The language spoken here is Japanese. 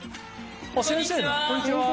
こんにちは。